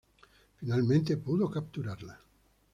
Finalmente pudo capturarla.